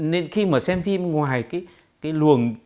nên khi mà xem phim ngoài cái luồng